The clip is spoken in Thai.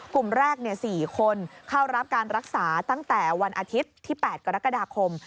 กลุ่มแรก๔คนเข้ารับการรักษาตั้งแต่วันอาทิตย์ที่๘กรกฎาคม